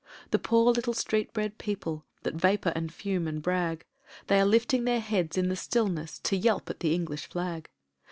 The poor little street bred people that vapour and fume and brag, They are lifting their heads in the stillness to yelp at the English Flag.